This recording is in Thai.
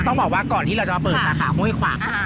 ต้องบอกว่าก่อนที่เราจะมาเปิดสาขาห้วยขวาง